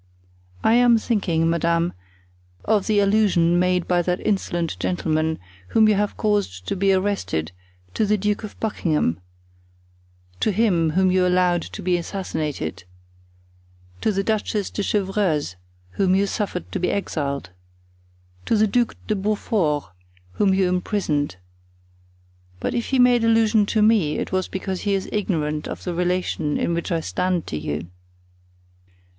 "I am thinking, madame, of the allusion made by that insolent gentleman, whom you have caused to be arrested, to the Duke of Buckingham—to him whom you allowed to be assassinated—to the Duchess de Chevreuse, whom you suffered to be exiled—to the Duc de Beaufort, whom you imprisoned; but if he made allusion to me it was because he is ignorant of the relation in which I stand to you."